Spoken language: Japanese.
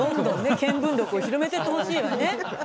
見聞録を広めてってほしいわね。ね。